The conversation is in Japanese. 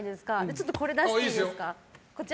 ちょっとこれ出していいですか？